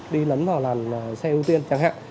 đi lấn vào làn xe ưu tiên chẳng hạn